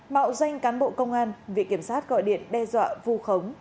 mạo danh cán bộ công an vị kiểm sát gọi điện đe dọa vù khống